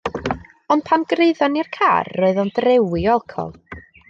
Ond pan gyrhaeddon ni'r car roedd e'n drewi o alcohol